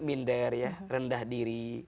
minder rendah diri